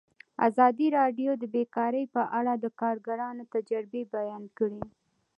ازادي راډیو د بیکاري په اړه د کارګرانو تجربې بیان کړي.